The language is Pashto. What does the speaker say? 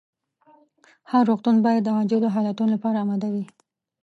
هر روغتون باید د عاجلو حالتونو لپاره اماده وي.